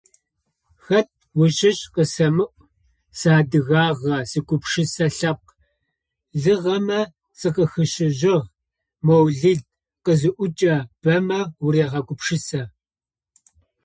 «Хэт ущыщ? къысэмыӀу! Сиадыгагъэ, Сигупшысэ Лъэпкъ лыгъэмэ сакъыхищыжьыгъ…»,- Моулид къызиӏокӏэ, бэмэ уарегъэгупшысэ.